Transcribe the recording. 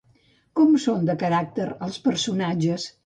Com són de caràcter els personatges?